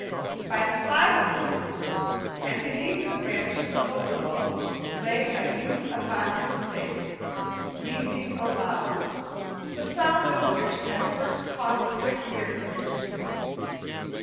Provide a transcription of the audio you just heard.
By the side of this pool, and beneath the branches of a willow, lay a youth upon his face, weeping aloud, the sound of which had first caught the quick ears of Stutely.